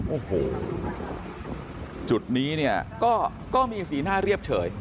โอ้โหจุดนี้เนี่ยก็มีสีหน้าเรียบเฉย